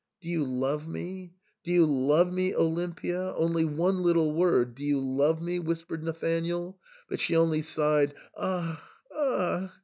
" Do you love me ? Do you love me, Olimpia ? Only one little word — Do you love me.?" whispered Nathanael, but she only sighed, "Ach! Ach!"